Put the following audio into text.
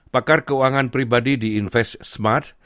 pakar keuangan pribadi di invest smart